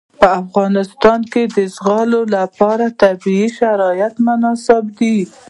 په افغانستان کې د زغال لپاره طبیعي شرایط مناسب دي.